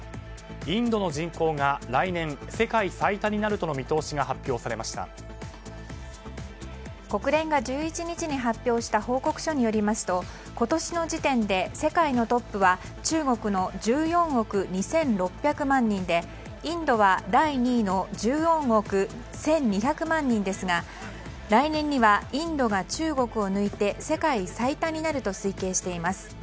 インドの人口が来年世界最多になるとの見通しが国連が１１日に発表した報告書によりますと今年の時点で世界のトップは中国の１４億２６００万人でインドは第２位の１４億１２００万人ですが来年にはインドが中国を抜いて世界最多になると推計しています。